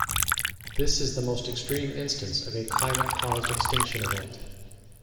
This is the most extreme instance of a climate-caused extinction event.